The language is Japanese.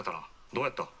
どうやった？」。